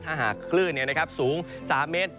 ถ้าหากคลื่นเนี่ยนะครับสูง๓เมตร